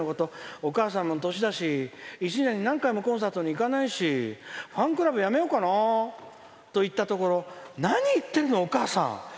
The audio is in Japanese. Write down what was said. お母さんも歳だし一年に何回もコンサートに行かないしファンクラブやめようかなと言ったところなに言ってるのお母さん。